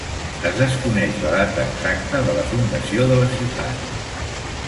Es desconeix la data exacta de la Fundació de la ciutat.